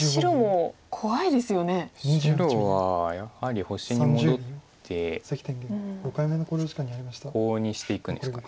白はやはり星に戻ってコウにしていくんですかね。